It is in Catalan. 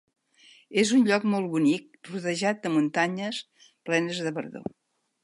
És un lloc molt bonic rodejat de muntanyes plenes de verdor.